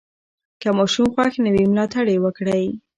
که ماشوم خوښ نه وي، ملاتړ یې وکړئ.